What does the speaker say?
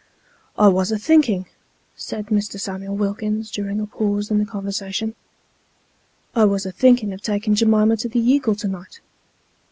" I wos a thinking," said Mr. Samuel Wilkins, during a pause in the conversation " I wos a thinking of taking J'miina to the Eagle to night."